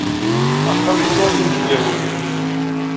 Axxam yeččur d inebgawen.